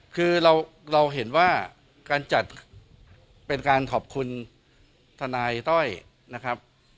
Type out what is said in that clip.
คือเราเห็นว่าการจัดเป็นการขอบคุณทนายต้อยนะครับ